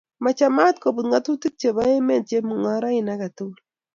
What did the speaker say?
Machamat kobut ng'atutik chebo emet chemung'oroin age tugul